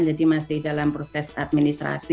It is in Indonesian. jadi masih dalam proses administrasi